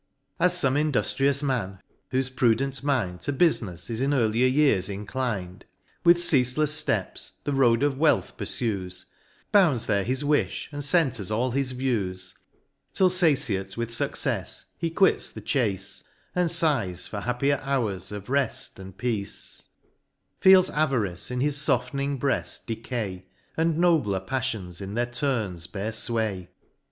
As fome induftrious man, whofe prudent mind To bufmefs is in earlier years inclin'd, With ceafelefs fteps, the road of wealth purfues, Bounds there his wifh, and centers all his views ; Till fatiate with fuccefs, he quits the chace, And fighs for happier hours of reft and peace j Feels avarice in his foftening breaft decay, And nobler paiTions in their turns bear fway ; Feels i8 MOUNT PLEASANT.